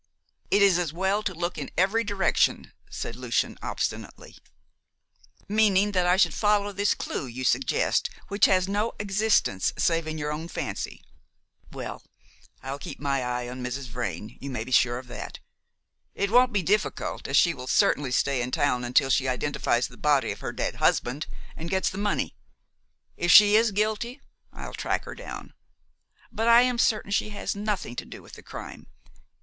"It is as well to look in every direction," said Lucian obstinately. "Meaning that I should follow this clue you suggest, which has no existence save in your own fancy. Well, I'll keep my eye on Mrs. Vrain, you may be sure of that. It won't be difficult, as she will certainly stay in town until she identifies the body of her dead husband and gets the money. If she is guilty, I'll track her down; but I am certain she has nothing to do with the crime.